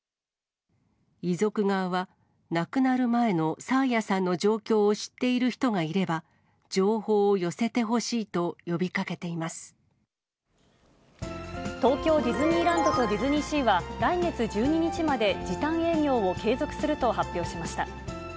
遺族側は、亡くなる前の爽彩さんの状況を知っている人がいれば、情報を寄せ東京ディズニーランドとディズニーシーは、来月１２日まで時短営業を継続すると発表しました。